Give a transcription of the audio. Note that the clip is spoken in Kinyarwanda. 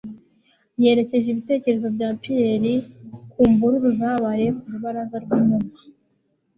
yerekeje ibitekerezo bya Pierre ku mvururu zabaye ku rubaraza rw'inyuma